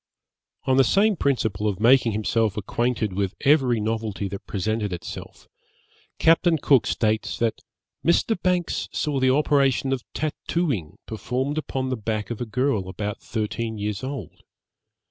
On the same principle of making himself acquainted with every novelty that presented itself, Captain Cook states that 'Mr. Banks saw the operation of tattooing performed upon the back of a girl about thirteen years old.